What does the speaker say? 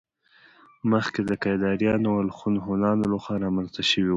مخکې د کيداريانو او الخون هونانو له خوا رامنځته شوي وو